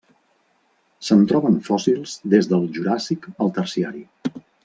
Se'n troben fòssils des del juràssic al terciari.